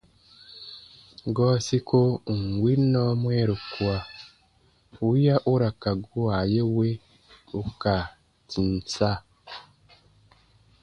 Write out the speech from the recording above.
Gɔɔ siko ù n win nɔɔ mwɛɛru kua wiya u ra ka gua ye we ù ka tìm sa.